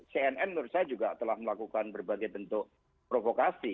cnn menurut saya juga telah melakukan berbagai bentuk provokasi